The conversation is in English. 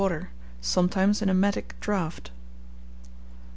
Water. Sometimes an Emetic Draught.